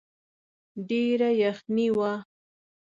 ډېره يخني وه.